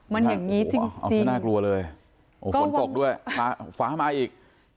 มันอย่างนี้จริงน่ากลัวเลยโอ้ฝนตกด้วยฟ้ามาอีก